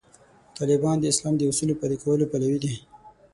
طالبان د اسلام د اصولو د پلي کولو پلوي دي.